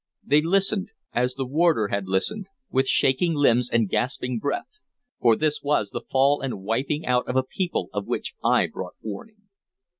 They listened, as the warder had listened, with shaking limbs and gasping breath; for this was the fall and wiping out of a people of which I brought warning.